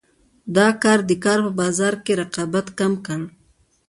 دا کار د کار په بازار کې رقابت کم کړ.